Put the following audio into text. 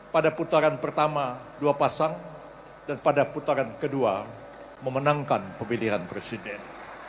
pada putaran pertama dua pasang dan pada putaran kedua memenangkan pemilihan presiden